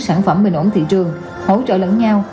sản phẩm bình ổn thị trường hỗ trợ lẫn nhau